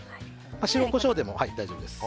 塩、コショウでも大丈夫です。